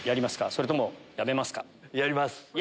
それともやめますか？